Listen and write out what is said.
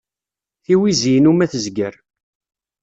Tiwizi-inu ma tezger.